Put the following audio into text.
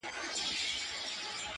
د دنیا له کوره تاته ارمانجن راغلی یمه.!